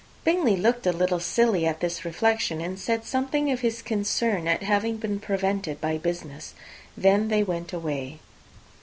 Bingley looked a little silly at this reflection, and said something of his concern at having been prevented by business. They then went away.